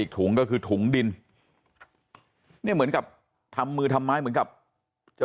ถุงก็คือถุงดินเนี่ยเหมือนกับทำมือทำไมเหมือนกับจะ